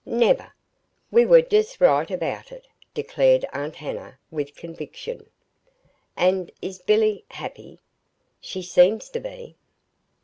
"Never! We were just right about it," declared Aunt Hannah, with conviction. "And is Billy happy?" "She seems to be."